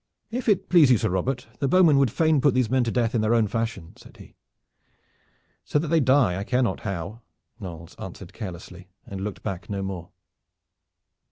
"If it please you, Sir Robert, the bowmen would fain put these men to death in their own fashion," said he. "So that they die, I care not how," Knolles answered carelessly, and looked back no more.